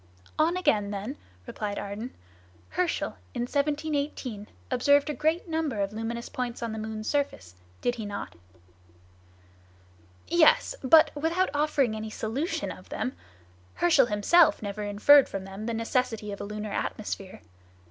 "On again, then," replied Ardan; "Herschel, in 1787, observed a great number of luminous points on the moon's surface, did he not?" "Yes! but without offering any solution of them. Herschel himself never inferred from them the necessity of a lunar atmosphere.